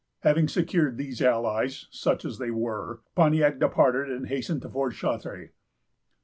Having secured these allies, such as they were, Pontiac departed, and hastened to Fort Chartres.